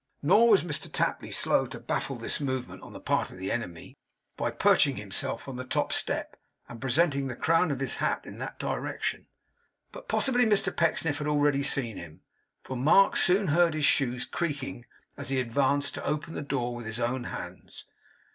Nor was Mr Tapley slow to baffle this movement on the part of the enemy, by perching himself on the top step, and presenting the crown of his hat in that direction. But possibly Mr Pecksniff had already seen him, for Mark soon heard his shoes creaking, as he advanced to open the door with his own hands.